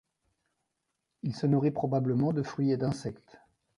Il se nourrit probablement de fruits et d'insectes.